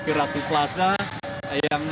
geraku plaza yang